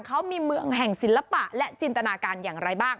เขามีเมืองแห่งศิลปะและจินตนาการอย่างไรบ้าง